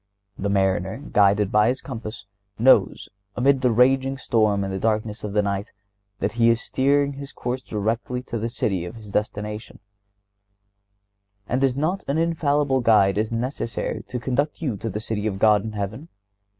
The mariner, guided by his compass, knows, amid the raging storm and the darkness of the night, that he is steering his course directly to the city of his destination; and is not an infallible guide as necessary to conduct you to the city of God in heaven?